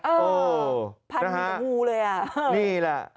เออพันเหมือนวูเลยนี่แหละ